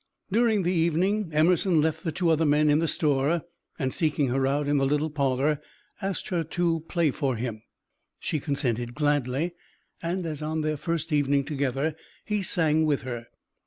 During the evening Emerson left the two other men in the store, and, seeking her out in the little parlor, asked her to play for him. She consented gladly, and, as on their first evening together, he sang with her.